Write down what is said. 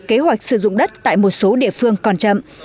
kế hoạch sử dụng đất tại một số địa phương còn chậm